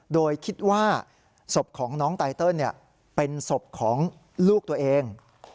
โดยคิดว่าศพของน้องไตเติลเป็นศพของลูกตัวเอง